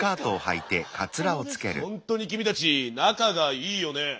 ほんとに君たち仲がいいよね。